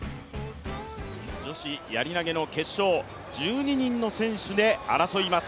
女子やり投の決勝、１２人の選手で争います。